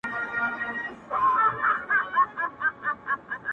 ته به د خوب په جزيره كي گراني